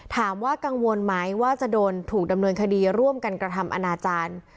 ถามว่ากังวลไหมว่าจะโดนถูกดำเนินคดีร่วมกันกระทำอนาจารย์